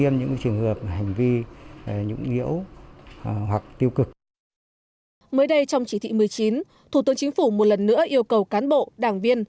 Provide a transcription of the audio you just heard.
mới đây trong chỉ thị một mươi chín thủ tướng chính phủ một lần nữa yêu cầu cán bộ đảng viên